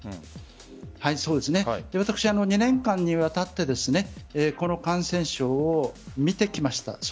私、２年間にわたってこの感染症を診てきました。